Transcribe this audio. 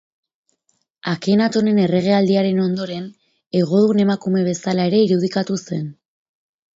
Akenatonen erregealdiaren ondoren, hegodun emakume bezala ere irudikatu zen.